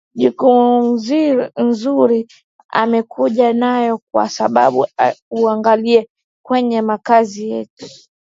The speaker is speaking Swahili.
jukumu mzuri wamekuja nayo kwa sababu ukiangalia kwenye makazi yetu